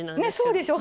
そうでしょ。